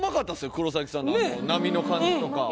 黒崎さんのあの波の感じとか。